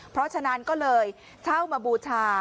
เพราะฉะนั้นก็เลยเช่ามาบูชา